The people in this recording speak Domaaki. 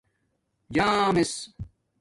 چݳمس